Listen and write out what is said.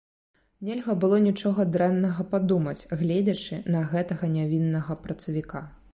Нельга было нічога дрэннага падумаць, гледзячы на гэтага нявіннага працавіка.